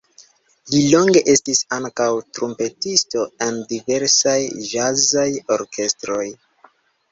Li longe estis ankaŭ trumpetisto en diversaj ĵazaj orkestroj.